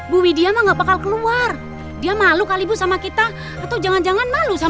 buddy sampai ketemu di bilik baru ya